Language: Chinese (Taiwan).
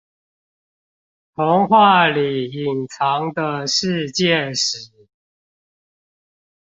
童話裡隱藏的世界史